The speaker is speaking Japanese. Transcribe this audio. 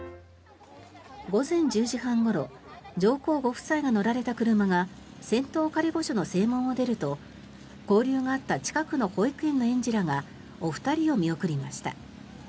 午前１０時半ごろ上皇ご夫妻が乗られた車が仙洞仮御所の正門を出ると交流があった近くの保育園の園児らがお二人を見送りました。